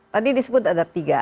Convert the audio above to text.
tadi disebut ada tiga